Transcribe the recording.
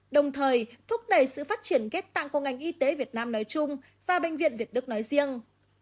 đồng thời thúc đẩy sự phát triển ghép tạng của ngành y tế việt nam nói chung và bệnh viện việt đức nói riêng